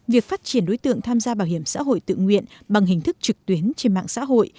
việc phát triển đối tượng tham gia bảo hiểm xã hội tự nguyện bằng hình thức trực tuyến trên mạng xã hội